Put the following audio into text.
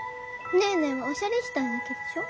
ネーネーはおしゃれしたいだけでしょ？